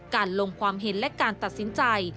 ลงความเห็นและการตัดสินใจ